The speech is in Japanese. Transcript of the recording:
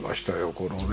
このね